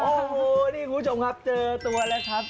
โอ้โหนี่คุณผู้ชมครับเจอตัวแล้วครับ